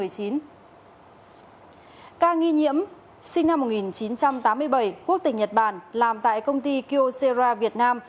ca nghi nhiễm sinh năm một nghìn chín trăm tám mươi bảy quốc tịch nhật bản làm tại công ty kioserra việt nam